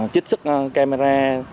chích sức camera